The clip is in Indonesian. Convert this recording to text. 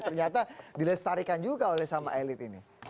ternyata dilestarikan juga oleh sama elit ini